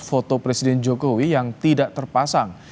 foto presiden jokowi yang tidak terpasang